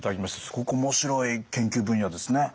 すごく面白い研究分野ですね。